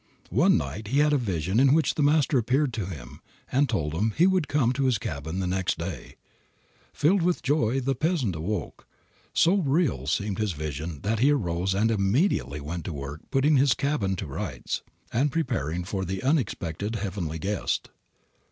One night he had a vision in which the Master appeared to him, and told him He would come to his cabin next day. Filled with joy, the peasant awoke. So real seemed his vision that he arose and immediately went to work putting his cabin to rights and preparing for the expected heavenly guest.